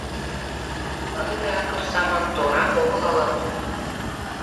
Ынде акырсаман торак огыл ала-мо?